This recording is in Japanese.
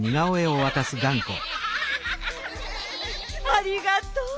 ありがとう！